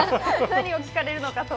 何を聞かれるのかと。